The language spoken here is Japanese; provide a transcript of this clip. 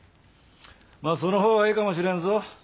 まあその方がいいかもしれんぞ。